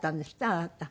あなた。